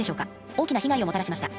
大きな被害をもたらしました。